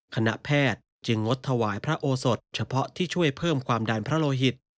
คณะแพทย์จึงงดถวายพระโอสดเฉพาะที่ช่วยเพิ่มความดันพระโลหิต